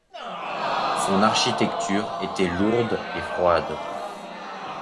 Son architecture était lourde et froide.